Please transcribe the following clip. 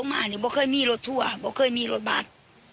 ไม่เคยมีรถทัวร์ไม่เคยมีรถบัฏ